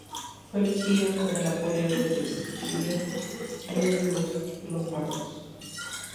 Fue elegido con el apoyo de Desiderio, rey de los lombardos.